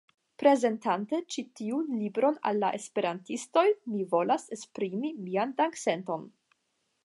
Prezentante ĉi tiun libron al la Esperantistoj, mi volas esprimi mian danksenton.